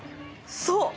そう！